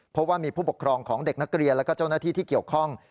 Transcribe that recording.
เพราะว่ามีผู้ปกครองของเด็กนักเรียนและเจ้าหน้าที่ที่เกี่ยวข้อง